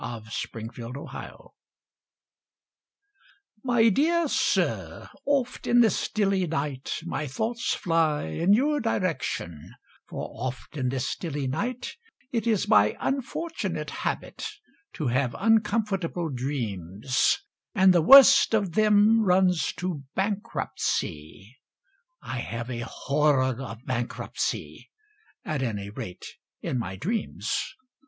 TO AN HOTEL KEEPER My dear Sir, Oft in the stilly night My thoughts fly In your direction, For oft in the stilly night It is my unfortunate habit To have uncomfortable dreams, And the worst of them Runs to bankruptcy. I have a horror of bankruptcy, At any rate in my dreams.